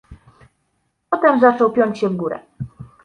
Potem zaczął piąć się w górę.